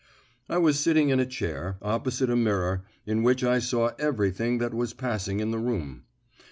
I was sitting in a chair, opposite a mirror, in which I saw everything that was passing in the room.